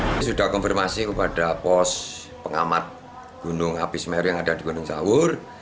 kami sudah konfirmasi kepada pos pengamat gunung api semeru yang ada di gunung sawur